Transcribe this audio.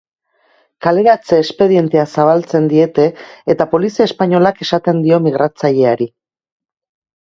Kaleratze espedientea zabaltzen diete eta polizia espainolak esaten dio migratzaileari.